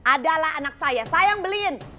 adalah anak saya saya yang beliin